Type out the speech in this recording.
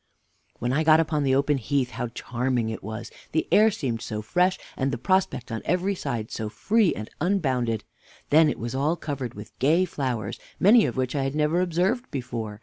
W. When I got upon the open heath, how charming it was! The air seemed so fresh, and the prospect on every side so free and unbounded! Then it was all covered with gay flowers, many of which I had never observed before.